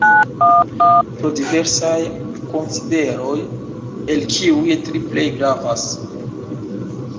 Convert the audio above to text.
Pro diversaj konsideroj, el kiuj tri plej gravas.